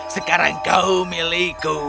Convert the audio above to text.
sekarang kau milikku